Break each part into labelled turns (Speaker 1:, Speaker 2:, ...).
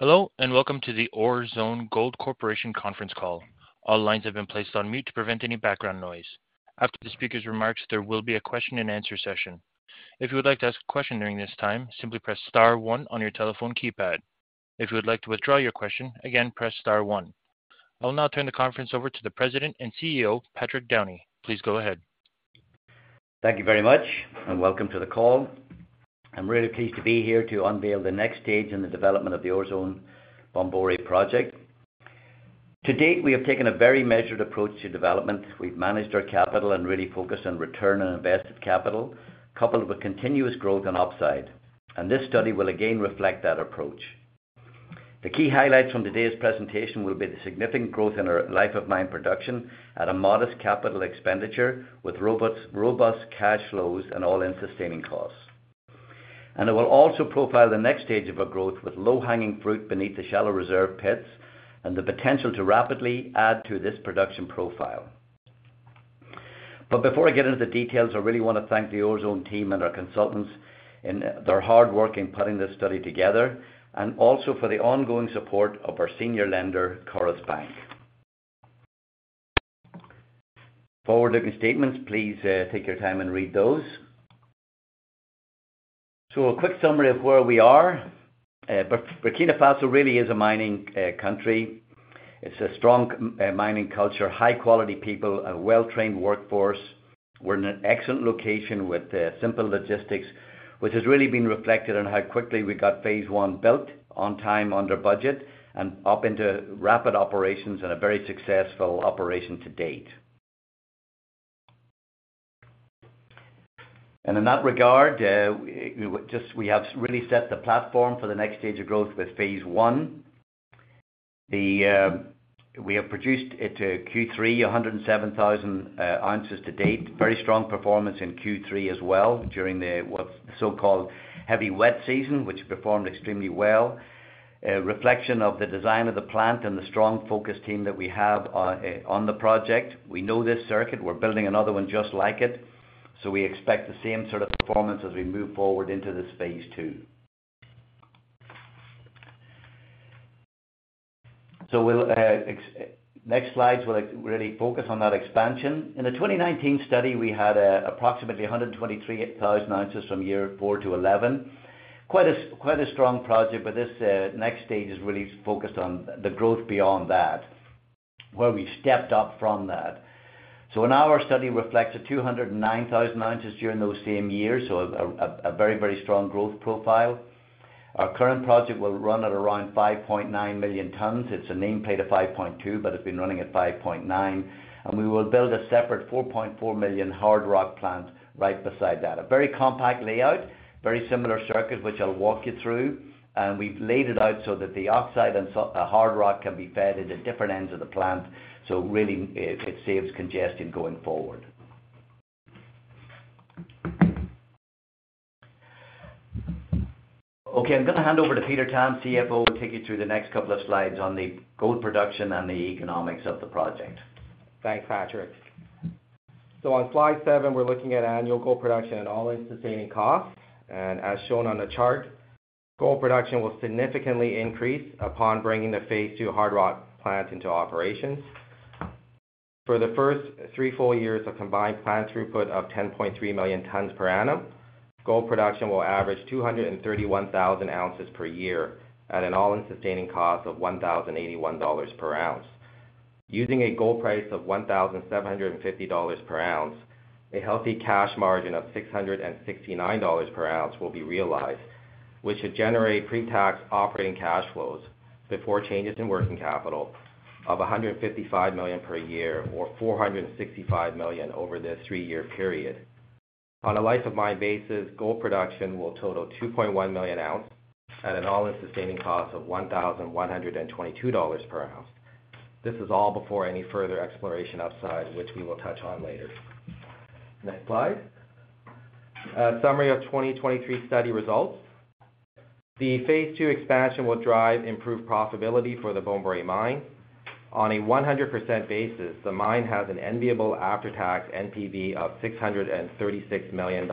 Speaker 1: Hello, and welcome to the Orezone Gold Corporation conference call. All lines have been placed on mute to prevent any background noise. After the speaker's remarks, there will be a question and answer session. If you would like to ask a question during this time, simply press star one on your telephone keypad. If you would like to withdraw your question again, press star one. I will now turn the conference over to the President and CEO, Patrick Downey. Please go ahead.
Speaker 2: Thank you very much, and welcome to the call. I'm really pleased to be here to unveil the next stage in the development of the Orezone Bomboré Project. To date, we have taken a very measured approach to development. We've managed our capital and really focused on return on invested capital, coupled with continuous growth and upside, and this study will again reflect that approach. The key highlights from today's presentation will be the significant growth in our life of mine production at a modest capital expenditure, with robust, robust cash flows and all-in sustaining costs. It will also profile the next stage of our growth, with low-hanging fruit beneath the shallow reserve pits and the potential to rapidly add to this production profile. But before I get into the details, I really want to thank the Orezone team and our consultants in their hard work in putting this study together, and also for the ongoing support of our senior lender, Coris Bank. Forward-looking statements, please, take your time and read those. So a quick summary of where we are. Burkina Faso really is a mining country. It's a strong mining culture, high quality people, a well-trained workforce. We're in an excellent location with simple logistics, which has really been reflected on how quickly we got phase one built on time, under budget, and up into rapid operations and a very successful operation to date. And in that regard, we just... We have really set the platform for the next stage of growth with phase one. We have produced 107,000 ounces to date. Very strong performance in Q3 as well during the so-called heavy wet season, which performed extremely well. A reflection of the design of the plant and the strong focus team that we have on the project. We know this circuit. We're building another one just like it, so we expect the same sort of performance as we move forward into this phase two. So we'll next slide will really focus on that expansion. In the 2019 study, we had approximately 123,000 ounces from year 4 to 11. Quite a strong project, but this next stage is really focused on the growth beyond that, where we've stepped up from that. So now our study reflects 209,000 ounces during those same years, so a very, very strong growth profile. Our current project will run at around 5.9 million tons. It's a nameplate of 5.2, but it's been running at 5.9, and we will build a separate 4.4 million hard rock plant right beside that. A very compact layout, very similar circuit, which I'll walk you through. And we've laid it out so that the oxide and so, hard rock can be fed at the different ends of the plant. So really, it saves congestion going forward. Okay, I'm going to hand over to Peter Tam, CFO, and take you through the next couple of slides on the gold production and the economics of the project.
Speaker 3: Thanks, Patrick. So on slide 7, we're looking at annual gold production and all-in sustaining costs. As shown on the chart, gold production will significantly increase upon bringing the phase two hard rock plant into operation. For the first 3 full years of combined plant throughput of 10.3 million tons per annum, gold production will average 231,000 ounces per year at an all-in sustaining cost of $1,081 per ounce. Using a gold price of $1,750 per ounce, a healthy cash margin of $669 per ounce will be realized, which should generate pre-tax operating cash flows before changes in working capital of $155 million per year or $465 million over the 3-year period. On a life-of-mine basis, gold production will total 2.1 million ounces at an all-in sustaining cost of $1,122 per ounce. This is all before any further exploration outside, which we will touch on later. Next slide. A summary of 2023 study results. The phase two expansion will drive improved profitability for the Bomboré mine. On a 100% basis, the mine has an enviable after-tax NPV of $636 million,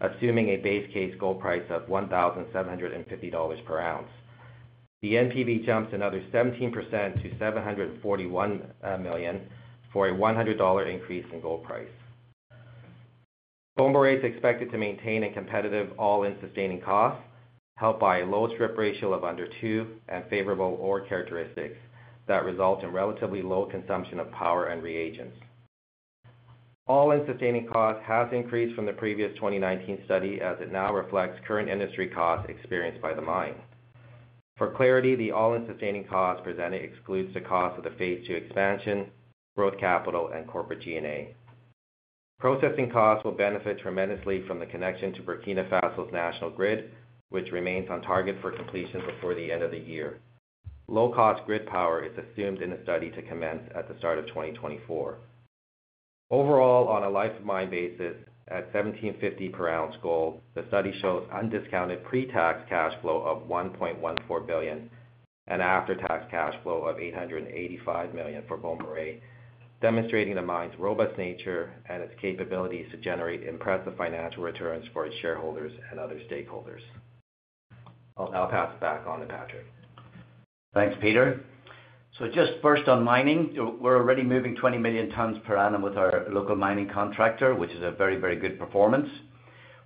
Speaker 3: assuming a base case gold price of $1,750 per ounce. The NPV jumps another 17% to 741 million for a $100 increase in gold price. Bomboré is expected to maintain a competitive all-in sustaining cost, helped by a low strip ratio of under 2 and favorable ore characteristics that result in relatively low consumption of power and reagents. All-in sustaining costs has increased from the previous 2019 study, as it now reflects current industry costs experienced by the mine. For clarity, the all-in sustaining cost presented excludes the cost of the phase two expansion, growth capital, and corporate G&A. Processing costs will benefit tremendously from the connection to Burkina Faso's national grid, which remains on target for completion before the end of the year. Low-cost grid power is assumed in the study to commence at the start of 2024. Overall, on a life-of-mine basis, at $1,750 per ounce gold, the study shows undiscounted pre-tax cash flow of $1.14 billion-... after-tax cash flow of $885 million for Bomboré, demonstrating the mine's robust nature and its capabilities to generate impressive financial returns for its shareholders and other stakeholders. I'll now pass it back on to Patrick.
Speaker 2: Thanks, Peter. So just first on mining, we're already moving 20 million tons per annum with our local mining contractor, which is a very, very good performance.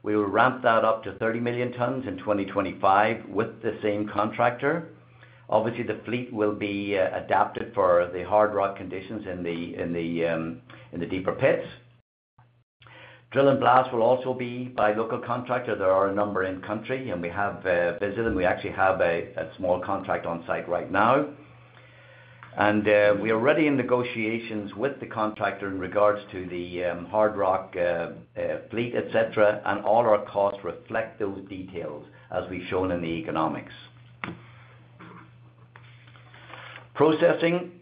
Speaker 2: We will ramp that up to 30 million tons in 2025 with the same contractor. Obviously, the fleet will be adapted for the hard rock conditions in the deeper pits. Drill and blast will also be by local contractor. There are a number in country, and we have visited, and we actually have a small contract on site right now. And we are already in negotiations with the contractor in regards to the hard rock fleet, et cetera, and all our costs reflect those details as we've shown in the economics. Processing.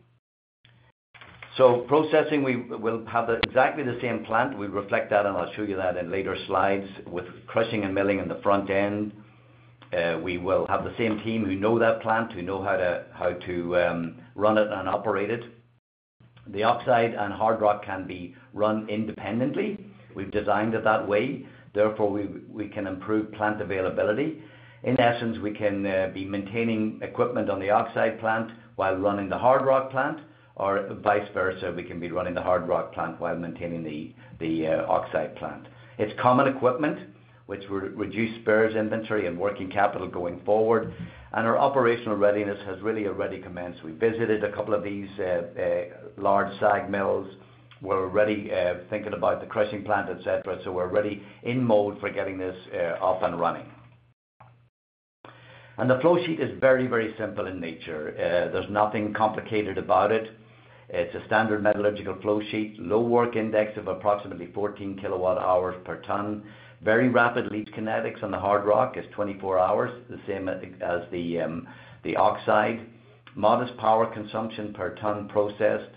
Speaker 2: So processing, we will have exactly the same plant. We reflect that, and I'll show you that in later slides with crushing and milling in the front end. We will have the same team who know that plant, who know how to run it and operate it. The oxide and hard rock can be run independently. We've designed it that way, therefore, we can improve plant availability. In essence, we can be maintaining equipment on the oxide plant while running the hard rock plant, or vice versa. We can be running the hard rock plant while maintaining the oxide plant. It's common equipment, which would reduce spares, inventory, and working capital going forward, and our operational readiness has really already commenced. We visited a couple of these large SAG mills. We're already thinking about the crushing plant, et cetera, so we're ready in mode for getting this off and running. And the flow sheet is very, very simple in nature. There's nothing complicated about it. It's a standard metallurgical flow sheet, low work index of approximately 14 kWh per ton. Very rapid leach kinetics on the hard rock is 24 hours, the same as the oxide. Modest power consumption per ton processed.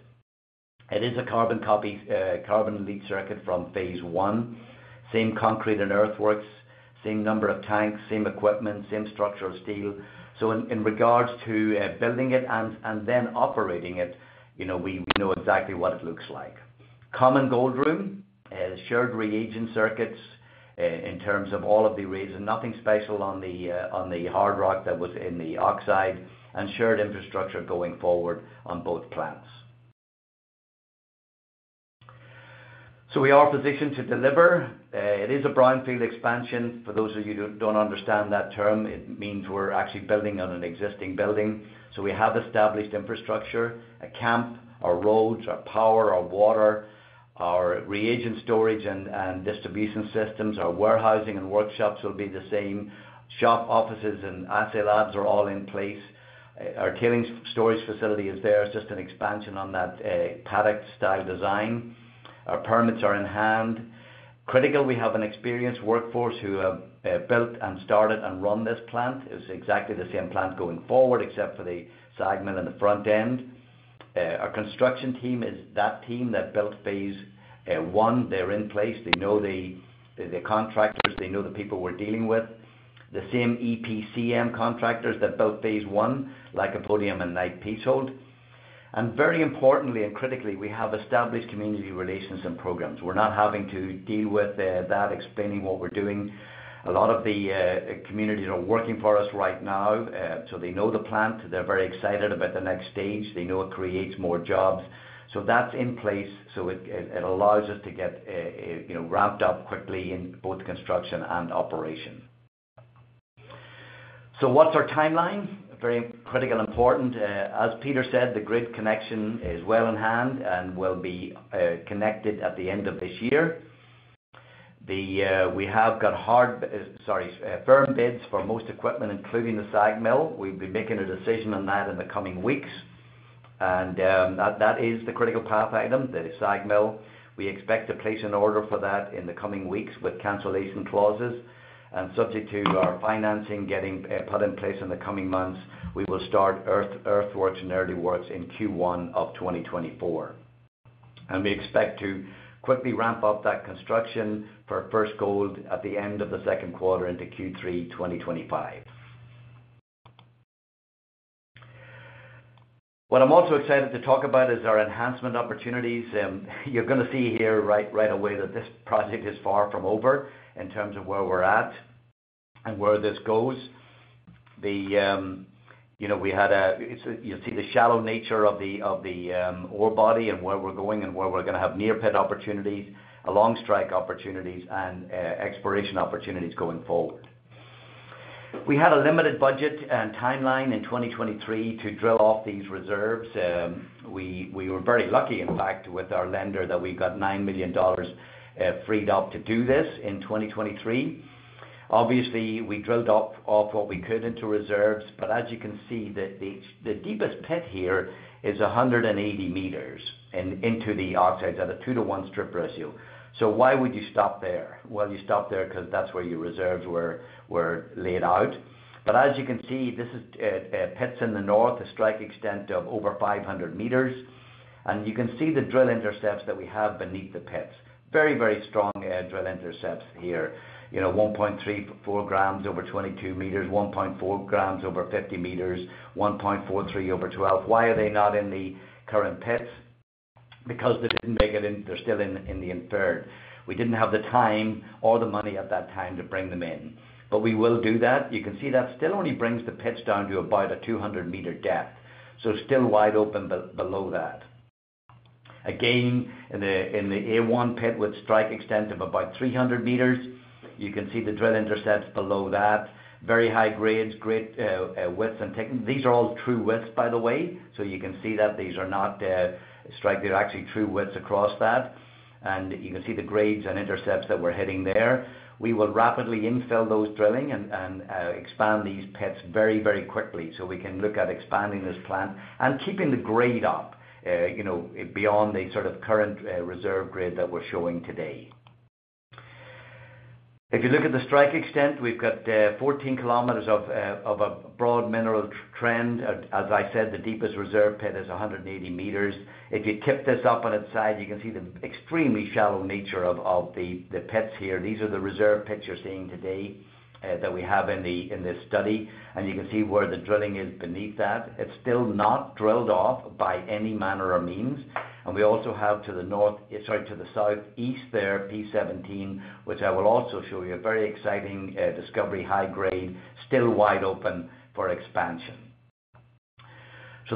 Speaker 2: It is a carbon copy carbon leach circuit from phase one, same concrete and earthworks, same number of tanks, same equipment, same structural steel. So in regards to building it and then operating it, you know, we know exactly what it looks like. Common gold room, shared reagent circuits, in terms of all of the reasons, nothing special on the hard rock that was in the oxide, and shared infrastructure going forward on both plants. We are positioned to deliver. It is a brownfield expansion. For those of you who don't understand that term, it means we're actually building on an existing building. We have established infrastructure, a camp, our roads, our power, our water, our reagent storage and distribution systems. Our warehousing and workshops will be the same. Shop, offices and assay labs are all in place. Our tailings storage facility is there. It's just an expansion on that, paddock-style design. Our permits are in hand. Critical, we have an experienced workforce who have built and started and run this plant. It's exactly the same plant going forward, except for the SAG mill in the front end. Our construction team is that team that built phase one. They're in place. They know the contractors, they know the people we're dealing with. The same EPCM contractors that built phase one, like Lycopodium and Knight Piésold. And very importantly and critically, we have established community relations and programs. We're not having to deal with that, explaining what we're doing. A lot of the communities are working for us right now, so they know the plant. They're very excited about the next stage. They know it creates more jobs. So that's in place, so it allows us to get you know, ramped up quickly in both construction and operation. So what's our timeline? Very critical, important. As Peter said, the grid connection is well in hand and will be connected at the end of this year. We have got firm bids for most equipment, including the SAG mill. We'll be making a decision on that in the coming weeks, and that is the critical path item, the SAG mill. We expect to place an order for that in the coming weeks with cancellation clauses, and subject to our financing getting put in place in the coming months, we will start earthworks and early works in Q1 of 2024. We expect to quickly ramp up that construction for first gold at the end of the Q2 into Q3 2025. What I'm also excited to talk about is our enhancement opportunities. You're going to see here right away that this project is far from over in terms of where we're at and where this goes. You know, we had a—you'll see the shallow nature of the ore body and where we're going and where we're going to have near pit opportunities, long strike opportunities, and exploration opportunities going forward. We had a limited budget and timeline in 2023 to drill off these reserves. We were very lucky, in fact, with our lender, that we got $9 million freed up to do this in 2023. Obviously, we drilled off what we could into reserves, but as you can see, the deepest pit here is 180 meters into the oxides at a 2-to-1 strip ratio. So why would you stop there? Well, you stop there because that's where your reserves were laid out. But as you can see, this is pits in the north, a strike extent of over 500 meters. And you can see the drill intercepts that we have beneath the pits. Very, very strong drill intercepts here. You know, 1.34 grams over 22 meters, 1.4 grams over 50 meters, 1.43 over 12. Why are they not in the current pits? Because they didn't make it in, they're still in the inferred. We didn't have the time or the money at that time to bring them in, but we will do that. You can see that still only brings the pits down to about a 200 meter depth, so still wide open below that. Again, in the P11 pit with strike extent of about 300 meters, you can see the drill intercepts below that. Very high grades, great widths and thickness. These are all true widths, by the way, so you can see that these are not strike. They're actually true widths across that. And you can see the grades and intercepts that we're hitting there. We will rapidly infill those drilling and expand these pits very, very quickly. So we can look at expanding this plant and keeping the grade up, you know, beyond the sort of current reserve grade that we're showing today. If you look at the strike extent, we've got 14 kilometers of a broad mineral trend. As I said, the deepest reserve pit is 180 meters. If you tip this up on its side, you can see the extremely shallow nature of the pits here. These are the reserve pits you're seeing today that we have in this study, and you can see where the drilling is beneath that. It's still not drilled off by any manner or means. We also have to the north, sorry, to the southeast there, P17, which I will also show you a very exciting discovery, high grade, still wide open for expansion.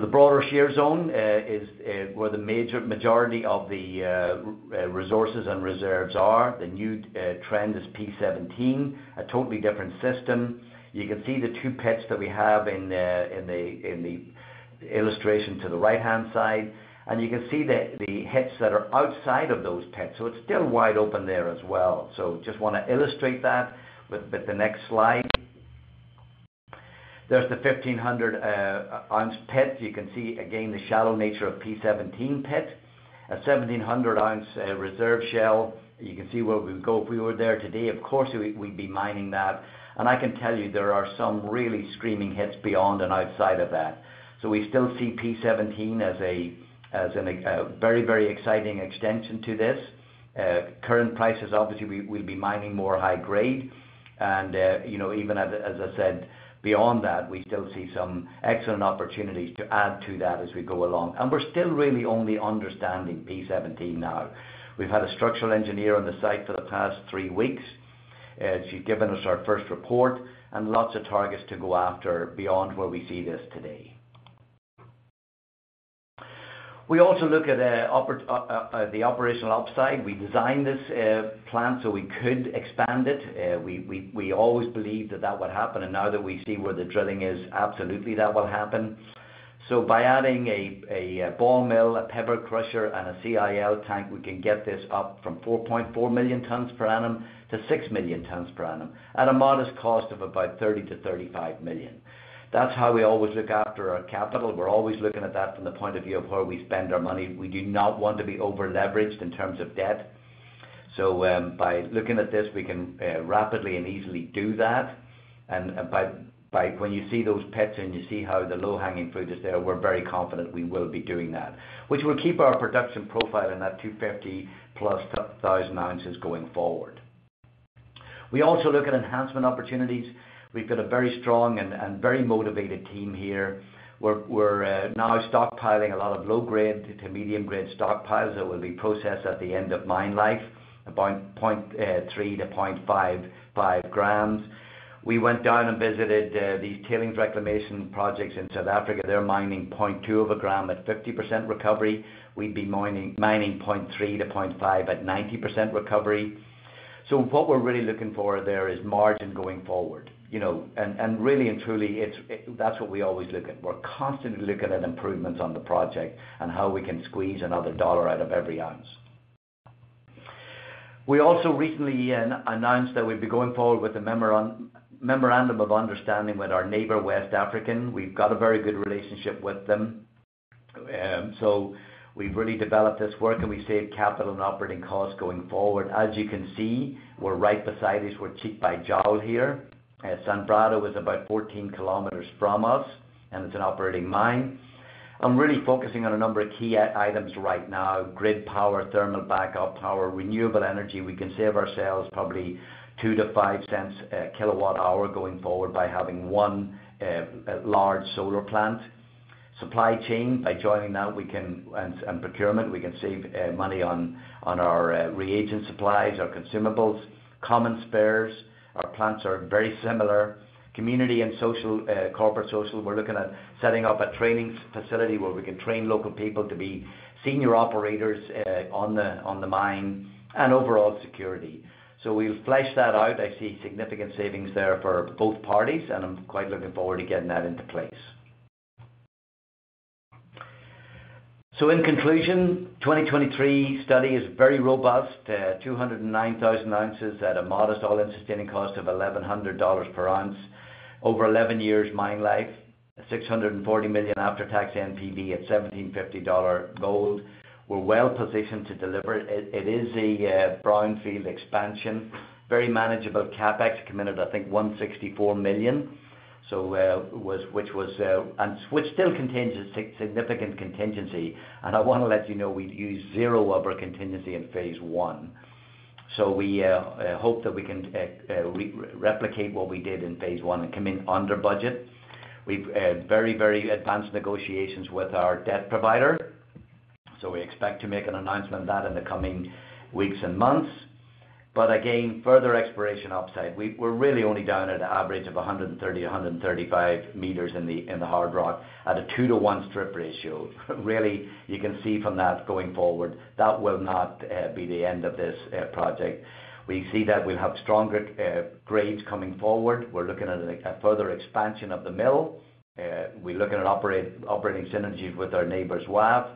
Speaker 2: The broader shear zone is where the majority of the resources and reserves are. The new trend is P17, a totally different system. You can see the two pits that we have in the illustration to the right-hand side, and you can see the hits that are outside of those pits, so it's still wide open there as well. Just wanna illustrate that with the next slide. There's the 1,500-ounce pit. You can see again the shallow nature of P17 pit. A 1,700-ounce reserve shell. You can see where we would go if we were there today. Of course, we'd be mining that. And I can tell you there are some really screaming hits beyond and outside of that. So we still see P17 as a very, very exciting extension to this. At current prices, obviously, we'd be mining more high grade. And, you know, even as I said, beyond that, we still see some excellent opportunities to add to that as we go along. And we're still really only understanding P17 now. We've had a structural engineer on the site for the past three weeks. She's given us our first report and lots of targets to go after beyond where we see this today. We also look at the operational upside. We designed this plant, so we could expand it. We always believed that that would happen, and now that we see where the drilling is, absolutely that will happen. So by adding a ball mill, a pebble crusher, and a CIL tank, we can get this up from 4.4 million tons per annum to 6 million tons per annum, at a modest cost of about $30-$35 million. That's how we always look after our capital. We're always looking at that from the point of view of where we spend our money. We do not want to be overleveraged in terms of debt. So, by looking at this, we can rapidly and easily do that. And by, by... When you see those pits and you see how the low-hanging fruit is there, we're very confident we will be doing that, which will keep our production profile in that 250+ thousand ounces going forward. We also look at enhancement opportunities. We've got a very strong and very motivated team here. We're now stockpiling a lot of low-grade to medium-grade stockpiles that will be processed at the end of mine life, about 0.3 to 0.55 grams. We went down and visited these tailings reclamation projects in South Africa. They're mining 0.2 of a gram at 50% recovery. We'd be mining 0.3 to 0.5 at 90% recovery. So what we're really looking for there is margin going forward. You know, and really and truly, it's that's what we always look at. We're constantly looking at improvements on the project and how we can squeeze another dollar out of every ounce. We also recently announced that we'd be going forward with the Memorandum of Understanding with our neighbor, West African. We've got a very good relationship with them. We've really developed this work, and we saved capital and operating costs going forward. As you can see, we're right beside each, we're cheek by jowl here. Sanbrado is about 14 kilometers from us, and it's an operating mine. I'm really focusing on a number of key items right now: grid power, thermal backup power, renewable energy. We can save ourselves probably 2-5 cents a kilowatt hour going forward by having one large solar plant. Supply chain, by joining that, we can... And procurement, we can save money on our reagent supplies, our consumables, common spares. Our plants are very similar. Community and social, corporate social, we're looking at setting up a training facility where we can train local people to be senior operators on the mine and overall security. So we've fleshed that out. I see significant savings there for both parties, and I'm quite looking forward to getting that into place. So in conclusion, 2023 study is very robust, 209,000 ounces at a modest all-in sustaining cost of $1,100 per ounce. Over 11 years mine life, $640 million after-tax NPV at $1,750 gold. We're well positioned to deliver. It is a brownfield expansion, very manageable CapEx, committed, I think, $164 million. Which was, and which still contains a significant contingency. I want to let you know we've used zero of our contingency in phase one. We hope that we can replicate what we did in phase one and come in under budget. We've very, very advanced negotiations with our debt provider, so we expect to make an announcement of that in the coming weeks and months. Again, further exploration upside. We're really only down at an average of 130, 135 meters in the hard rock at a 2 to 1 strip ratio. Really, you can see from that going forward, that will not be the end of this project. We see that we'll have stronger grades coming forward. We're looking at a further expansion of the mill. We're looking at operating synergies with our neighbors, WAF.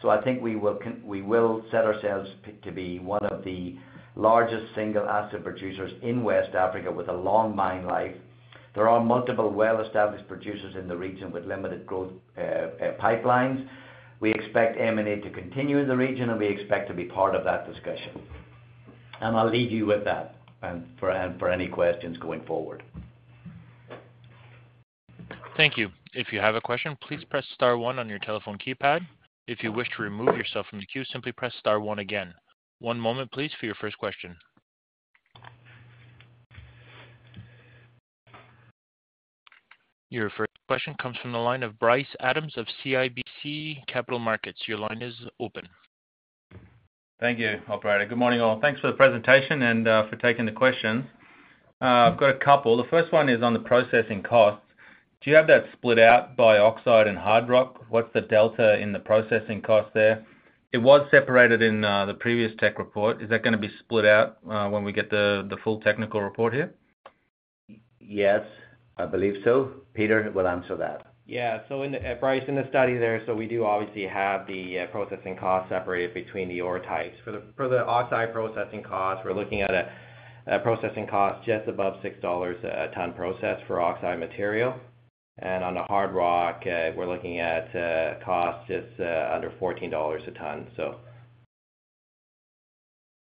Speaker 2: So I think we will set ourselves to be one of the largest single asset producers in West Africa with a long mine life. There are multiple well-established producers in the region with limited growth pipelines. We expect M&A to continue in the region, and we expect to be part of that discussion. And I'll leave you with that, for any questions going forward.
Speaker 1: Thank you. If you have a question, please press star one on your telephone keypad. If you wish to remove yourself from the queue, simply press star one again. One moment, please, for your first question. Your first question comes from the line of Bryce Adams of CIBC Capital Markets. Your line is open.
Speaker 4: Thank you, operator. Good morning, all. Thanks for the presentation and for taking the questions. I've got a couple. The first one is on the processing costs. Do you have that split out by oxide and hard rock? What's the delta in the processing cost there? It was separated in the previous tech report. Is that going to be split out when we get the full technical report here?
Speaker 2: Yes, I believe so. Peter will answer that.
Speaker 3: Yeah. So, in the study there, Bryce, so we do obviously have the processing costs separated between the ore types. For the oxide processing costs, we're looking at a processing cost just above $6 a ton processed for oxide material, and on the hard rock, we're looking at a cost just under $14 a ton, so.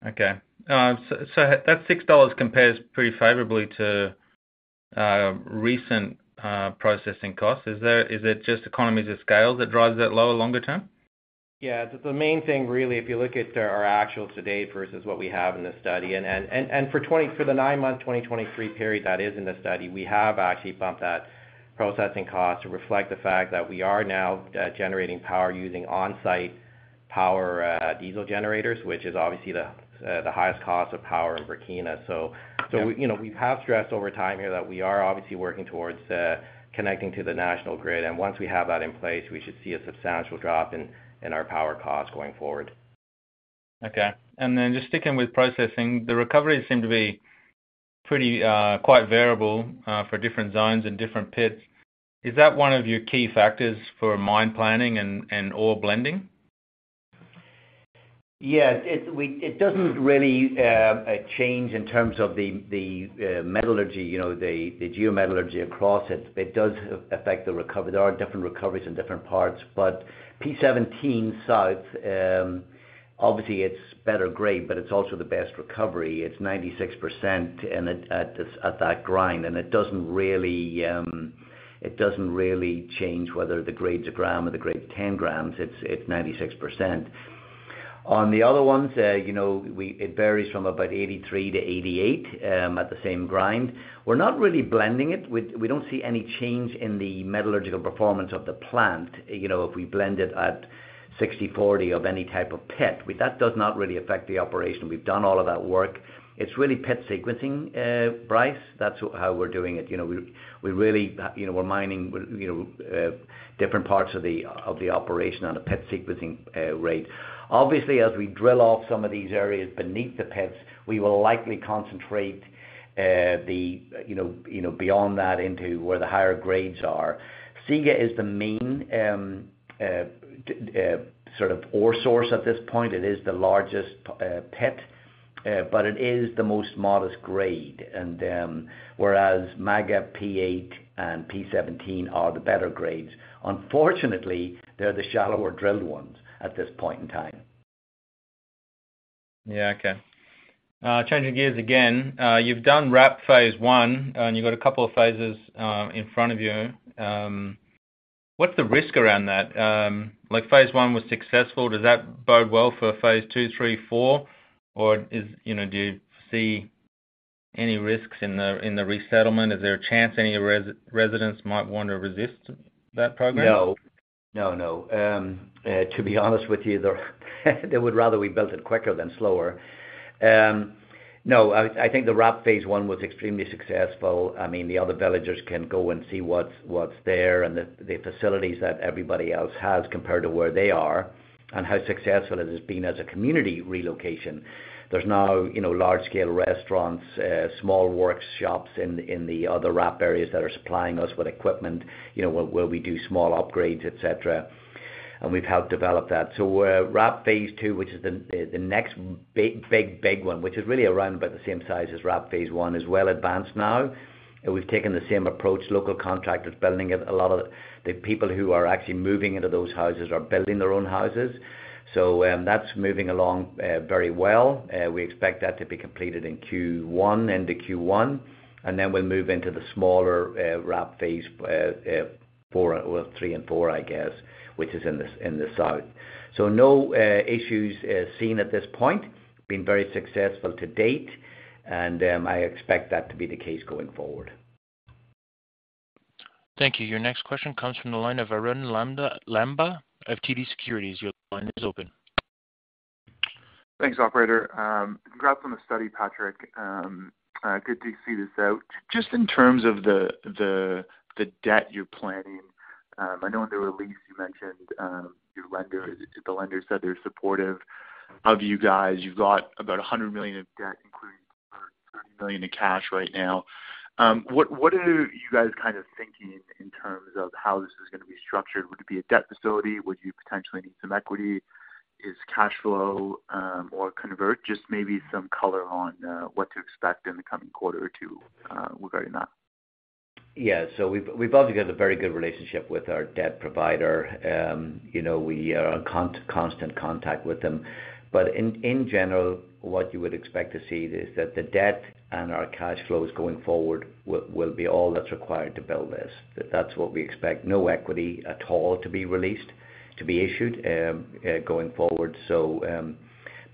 Speaker 4: Okay. So that $6 compares pretty favorably to recent processing costs. Is that - is it just economies of scale that drives that lower longer term?
Speaker 3: Yeah. The main thing, really, if you look at our actual today versus what we have in the study, and for the nine-month 2023 period that is in the study, we have actually bumped that processing cost to reflect the fact that we are now generating power using on-site power diesel generators, which is obviously the highest cost of power in Burkina. So-
Speaker 4: Yeah.
Speaker 3: So, you know, we have stressed over time here that we are obviously working towards connecting to the national grid, and once we have that in place, we should see a substantial drop in our power costs going forward.
Speaker 4: Okay. And then just sticking with processing, the recoveries seem to be pretty quite variable for different zones and different pits. Is that one of your key factors for mine planning and ore blending?
Speaker 2: Yes, it doesn't really change in terms of the metallurgy, you know, the geo-metallurgy across it. It does affect the recovery. There are different recoveries in different parts, but P17 South, obviously, it's better grade, but it's also the best recovery. It's 96% and it, at that grind, and it doesn't really change whether the grade's a gram or the grade's 10 grams, it's 96%. On the other ones, you know, it varies from about 83%-88% at the same grind. We're not really blending it. We don't see any change in the metallurgical performance of the plant. You know, if we blend it at 60/40 of any type of pit, well, that does not really affect the operation. We've done all of that work. It's really pit sequencing, Bryce. That's how we're doing it. You know, we really, you know, we're mining, you know, different parts of the operation on a pit sequencing rate. Obviously, as we drill off some of these areas beneath the pits, we will likely concentrate, you know, beyond that into where the higher grades are. Sigué is the main sort of ore source at this point. It is the largest pit, but it is the most modest grade. And, whereas Maga P8 and P17 are the better grades, unfortunately, they're the shallower drilled ones at this point in time.
Speaker 4: Yeah, okay. Changing gears again, you've done RAP Phase One, and you've got a couple of phases in front of you. What's the risk around that? Like, Phase One was successful. Does that bode well for Phase Two, Three, Four? Or is... You know, do you see any risks in the resettlement? Is there a chance any residents might want to resist that program?
Speaker 2: No. No, no. To be honest with you, they would rather we built it quicker than slower. No, I think the RAP Phase One was extremely successful. I mean, the other villagers can go and see what's there and the facilities that everybody else has compared to where they are and how successful it has been as a community relocation. There's now, you know, large-scale restaurants, small workshops in the other RAP areas that are supplying us with equipment, you know, where we do small upgrades, et cetera... and we've helped develop that. RAP Phase Two, which is the next big, big, big one, which is really around about the same size as RAP Phase One, is well advanced now. We've taken the same approach, local contractors building it. A lot of the people who are actually moving into those houses are building their own houses. So, that's moving along very well. We expect that to be completed in Q1, into Q1, and then we'll move into the smaller RAP phase, three and four, I guess, which is in the south. So no issues seen at this point. Been very successful to date, and I expect that to be the case going forward.
Speaker 1: Thank you. Your next question comes from the line of Arun Lamba, of TD Securities. Your line is open.
Speaker 5: Thanks, operator. Congrats on the study, Patrick. Good to see this out. Just in terms of the debt you're planning, I know in the release you mentioned your lender, the lender said they're supportive of you guys. You've got about $100 million of debt, including $30 million in cash right now. What are you guys kind of thinking in terms of how this is gonna be structured? Would it be a debt facility? Would you potentially need some equity? Is cash flow, or convert? Just maybe some color on what to expect in the coming quarter or two regarding that.
Speaker 2: Yeah, so we've obviously got a very good relationship with our debt provider. You know, we are in constant contact with them. But in general, what you would expect to see is that the debt and our cash flows going forward will be all that's required to build this. That's what we expect. No equity at all to be released, to be issued, going forward. So,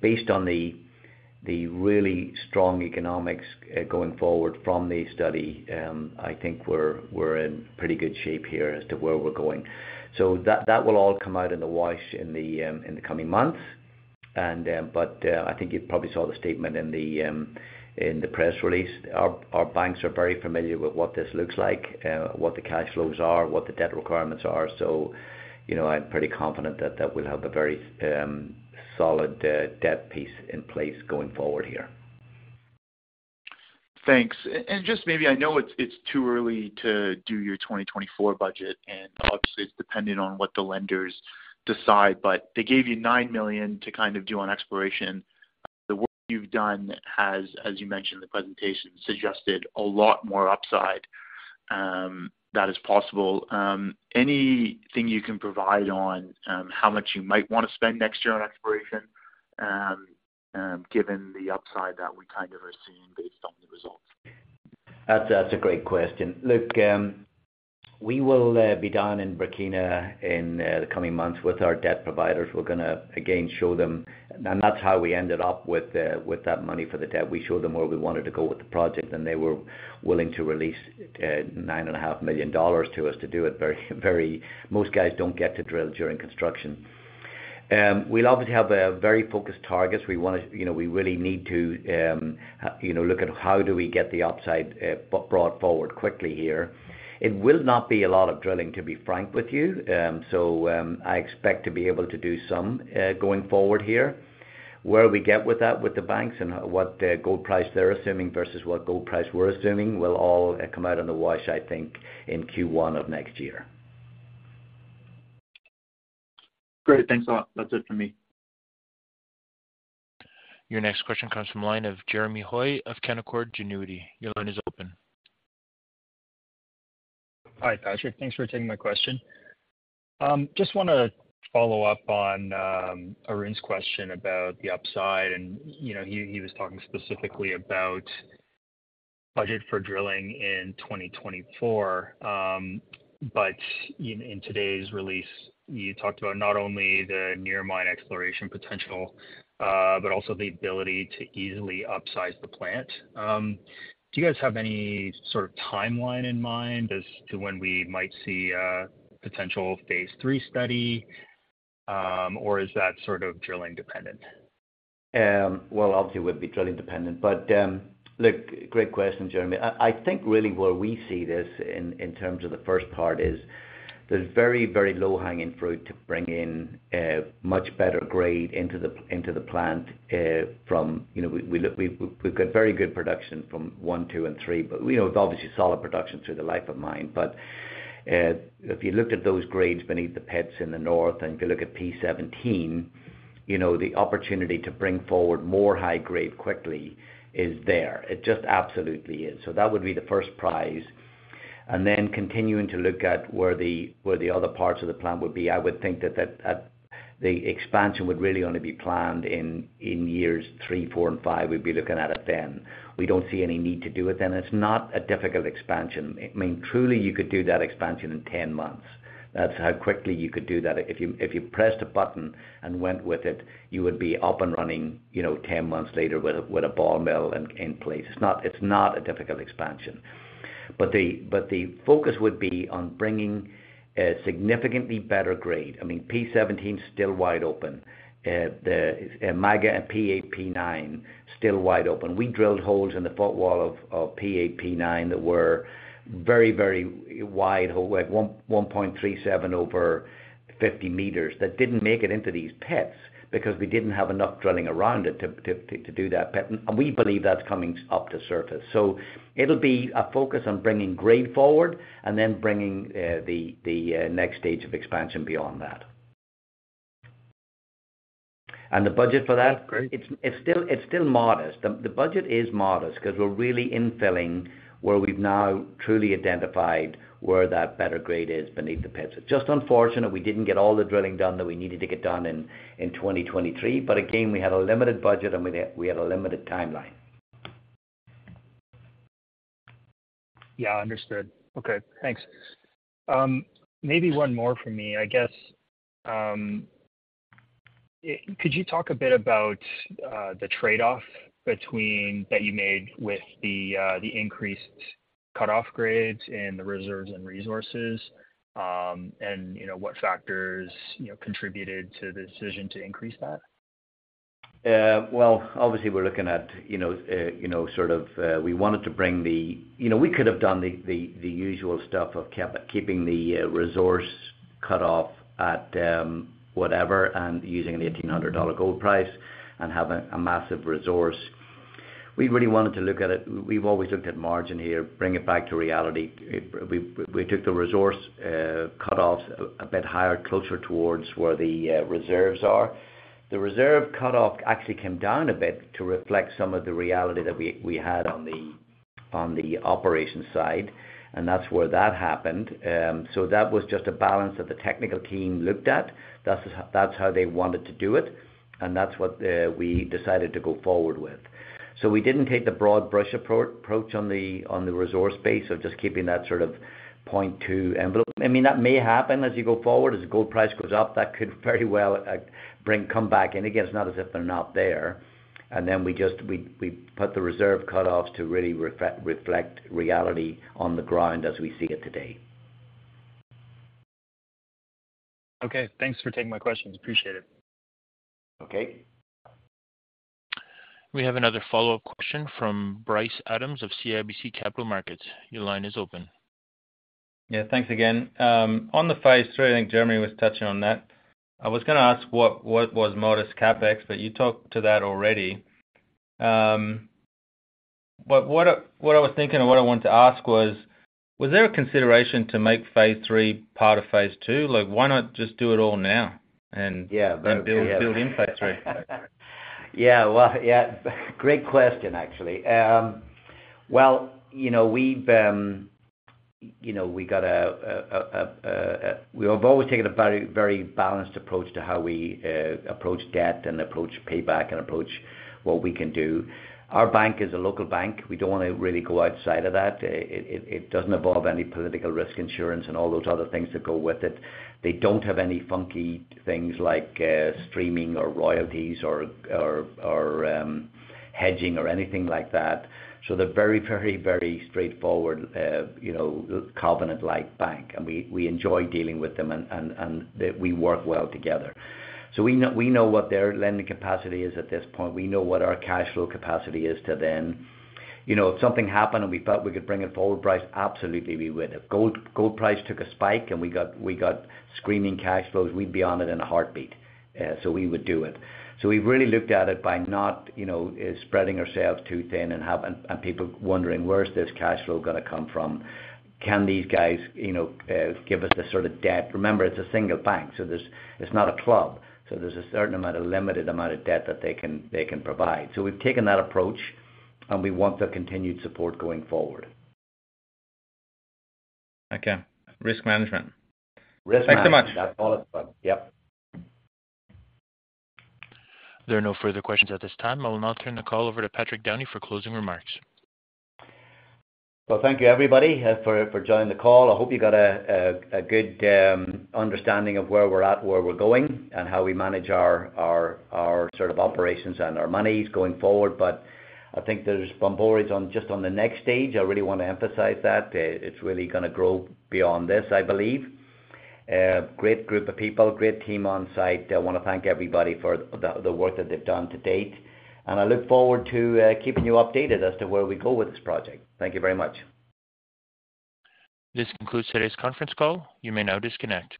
Speaker 2: based on the really strong economics going forward from the study, I think we're in pretty good shape here as to where we're going. So that will all come out in the wash in the coming months. But I think you probably saw the statement in the press release. Our banks are very familiar with what this looks like, what the cash flows are, what the debt requirements are. So, you know, I'm pretty confident that we'll have a very solid debt piece in place going forward here.
Speaker 5: Thanks. And just maybe... I know it's, it's too early to do your 2024 budget, and obviously, it's dependent on what the lenders decide, but they gave you $9 million to kind of do on exploration. The work you've done has, as you mentioned in the presentation, suggested a lot more upside that is possible. Anything you can provide on how much you might want to spend next year on exploration, given the upside that we kind of are seeing based on the results?
Speaker 2: That's, that's a great question. Look, we will be down in Burkina Faso in the coming months with our debt providers. We're gonna again show them... And that's how we ended up with that money for the debt. We showed them where we wanted to go with the project, and they were willing to release $9.5 million to us to do it. Very, very most guys don't get to drill during construction. We'll obviously have a very focused targets. We wanna, you know, we really need to, you know, look at how do we get the upside brought forward quickly here. It will not be a lot of drilling, to be frank with you. So, I expect to be able to do some going forward here. Where we get with that with the banks and what, gold price they're assuming versus what gold price we're assuming, will all come out on the wash, I think, in Q1 of next year.
Speaker 5: Great. Thanks a lot. That's it for me.
Speaker 1: Your next question comes from the line of Jeremy Hoy of Canaccord Genuity. Your line is open.
Speaker 6: Hi, Patrick. Thanks for taking my question. Just wanna follow up on, Arun's question about the upside, and, you know, he, he was talking specifically about budget for drilling in 2024. But in, in today's release, you talked about not only the near mine exploration potential, but also the ability to easily upsize the plant. Do you guys have any sort of timeline in mind as to when we might see a potential phase three study? Or is that sort of drilling dependent?
Speaker 2: Well, obviously, we'd be drilling dependent, but look, great question, Jeremy. I think really where we see this in terms of the first part is there's very, very low-hanging fruit to bring in much better grade into the plant from... You know, we've got very good production from one, two, and three, but you know, obviously solid production through the life of mine. But if you looked at those grades beneath the pits in the north, and if you look at P17, you know, the opportunity to bring forward more high grade quickly is there. It just absolutely is. So that would be the first prize. Continuing to look at where the other parts of the plant would be, I would think that the expansion would really only be planned in years three, four, and five. We'd be looking at it then. We don't see any need to do it then. It's not a difficult expansion. I mean, truly, you could do that expansion in 10 months. That's how quickly you could do that. If you pressed a button and went with it, you would be up and running, you know, 10 months later with a ball mill in place. It's not a difficult expansion. The focus would be on bringing a significantly better grade. I mean, P17 is still wide open, the, and Maga and P8/P9, still wide open. We drilled holes in the footwall of P8/P9 that were very, very wide, like 1.37 over 50 meters, that didn't make it into these pits because we didn't have enough drilling around it to do that pit, and we believe that's coming up to surface. So it'll be a focus on bringing grade forward and then bringing the next stage of expansion beyond that. And the budget for that, it's still modest. The budget is modest 'cause we're really infilling where we've now truly identified where that better grade is beneath the pit. So just unfortunate we didn't get all the drilling done that we needed to get done in 2023. But again, we had a limited budget, and we had a limited timeline.
Speaker 6: Yeah, understood. Okay, thanks. Maybe one more from me. I guess, could you talk a bit about the trade-off between that you made with the increased cut-off grade and the reserves and resources, and, you know, what factors, you know, contributed to the decision to increase that?
Speaker 2: Well, obviously, we're looking at, you know, you know, sort of, we wanted to bring the... You know, we could have done the usual stuff of keeping the resource cut off at whatever, and using the $1,800 gold price and have a massive resource. We really wanted to look at it... We've always looked at margin here, bring it back to reality. We took the resource cut-off a bit higher, closer towards where the reserves are. The reserve cut-off actually came down a bit to reflect some of the reality that we had on the operations side, and that's where that happened. So that was just a balance that the technical team looked at. That's how they wanted to do it, and that's what we decided to go forward with. So we didn't take the broad brush approach on the resource base of just keeping that sort of point two envelope. I mean, that may happen as you go forward. As the gold price goes up, that could very well come back in. Again, it's not as if they're not there. And then we just put the reserve cut-offs to really reflect reality on the ground as we see it today.
Speaker 6: Okay, thanks for taking my questions. Appreciate it.
Speaker 2: Okay.
Speaker 1: We have another follow-up question from Bryce Adams of CIBC Capital Markets. Your line is open.
Speaker 4: Yeah, thanks again. On the phase three, I think Jeremy was touching on that. I was gonna ask what was modest CapEx, but you talked to that already. But what I was thinking, and what I wanted to ask was, was there a consideration to make phase three part of phase two? Like, why not just do it all now, and-
Speaker 2: Yeah.
Speaker 4: then build, build in phase three?
Speaker 2: Yeah. Well, yeah, great question, actually. Well, you know, we have always taken a very, very balanced approach to how we approach debt and approach payback and approach what we can do. Our bank is a local bank. We don't wanna really go outside of that. It doesn't involve any political risk insurance and all those other things that go with it. They don't have any funky things like streaming or royalties or hedging or anything like that. So they're very, very, very straightforward, you know, covenant-like bank, and we enjoy dealing with them, and they... We work well together. So we know what their lending capacity is at this point. We know what our cash flow capacity is to then. You know, if something happened and we felt we could bring it forward, Bryce, absolutely, we would. If gold, gold price took a spike, and we got, we got screaming cash flows, we'd be on it in a heartbeat. So we would do it. So we've really looked at it by not, you know, spreading ourselves too thin and have and, and people wondering, where's this cash flow gonna come from? Can these guys, you know, give us the sort of debt? Remember, it's a single bank, so there's... It's not a club, so there's a certain amount, a limited amount of debt that they can, they can provide. So we've taken that approach, and we want their continued support going forward.
Speaker 4: Okay, risk management.
Speaker 2: Risk management.
Speaker 4: Thanks so much.
Speaker 2: That's all it is. Yep.
Speaker 1: There are no further questions at this time. I will now turn the call over to Patrick Downey for closing remarks.
Speaker 2: Well, thank you, everybody, for joining the call. I hope you got a good understanding of where we're at, where we're going, and how we manage our sort of operations and our monies going forward. But I think there's boundaries on just the next stage. I really want to emphasize that. It's really gonna grow beyond this, I believe. Great group of people, great team on site. I wanna thank everybody for the work that they've done to date, and I look forward to keeping you updated as to where we go with this project. Thank you very much.
Speaker 1: This concludes today's conference call. You may now disconnect.